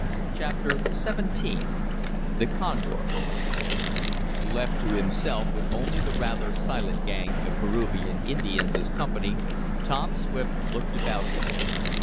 Chapter XVII The Condor Left to himself, with only the rather silent gang of Peruvian Indians as company, Tom Swift looked about him.